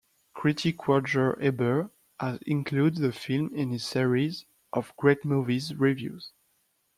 Critic Roger Ebert has included the film in his series of "Great Movies" reviews.